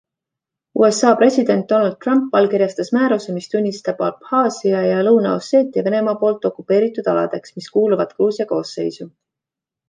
USA president Donald Trump allikirjastas määruse, mis tunnistab Abhaasia ja Lõuna-Osseetia Venemaa poolt okupeeritud aladeks, mis kuuluvad Gruusia koosseisu.